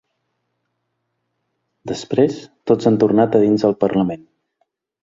Després, tots han tornat a dins el parlament.